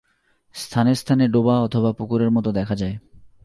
স্থানে স্থানে ডোবা অথবা পুকুরের মতো দেখা যায়।